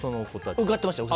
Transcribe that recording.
受かってました。